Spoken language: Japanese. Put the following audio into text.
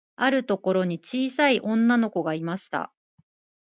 あるところに、ちいさい女の子がいました。